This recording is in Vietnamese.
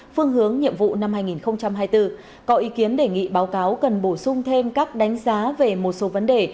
phương hướng nhiệm vụ năm hai nghìn hai mươi bốn có ý kiến đề nghị báo cáo cần bổ sung thêm các đánh giá về một số vấn đề